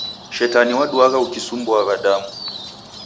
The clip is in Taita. Shetani waduagha ukisumbua w'adamu